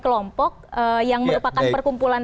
kelompok yang merupakan perkumpulan